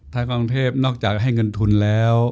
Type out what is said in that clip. ทางกรุงเทพนอกจากให้เงินทุนแล้ว